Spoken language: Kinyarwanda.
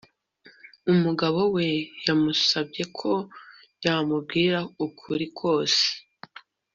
Umugabo we yamusabye ko yamubwira ukuri kose